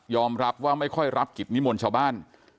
รับว่าไม่ค่อยรับกิจนิมนต์ชาวบ้าน